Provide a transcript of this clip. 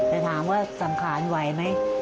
แต่ถามว่าสังขารไหวไหม